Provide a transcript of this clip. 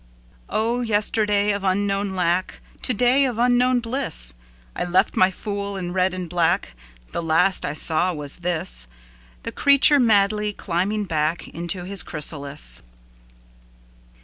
O yesterday of unknown lackTo day of unknown bliss!I left my fool in red and black; The last I saw was this,—The creature madly climbing backInto his chrysalis.